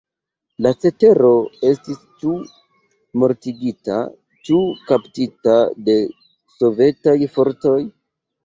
La cetero estis ĉu mortigita ĉu kaptita de sovetaj fortoj.